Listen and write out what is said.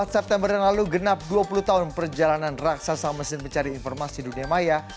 empat september yang lalu genap dua puluh tahun perjalanan raksasa mesin pencari informasi dunia maya